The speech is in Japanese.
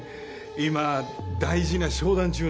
今大事な商談中なんで。